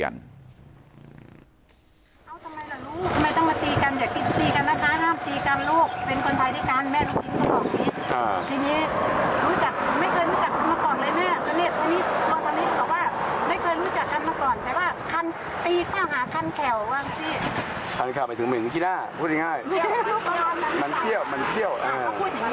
เลยใช่ไหมค่ะฝักก้นเขาเส้นมาใส่ป้ายที่นี้เนี่ยคนเสื้อ